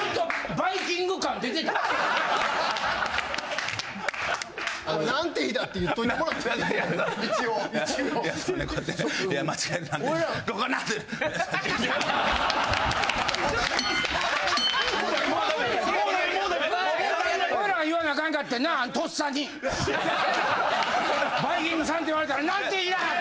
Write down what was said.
「バイきんぐさん」って言われたら。